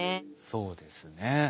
そうですね。